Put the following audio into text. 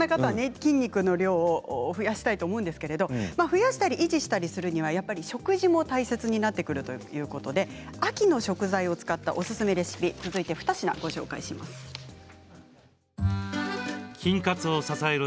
筋肉の量を増やしたいと思いますけど増やしたり維持するにはやはり食事も大切になってくるということで秋の食材を使ったおすすめレシピ２品ご紹介します。